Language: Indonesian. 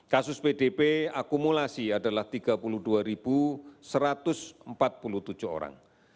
kasus pdp akumulasi adalah tiga puluh dua satu ratus empat puluh tujuh orang